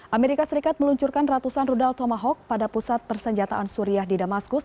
amerika serikat meluncurkan ratusan rudal tomahawk pada pusat persenjataan suriah di damaskus